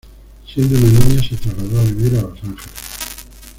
Siendo una niña se trasladó a vivir a Los Ángeles.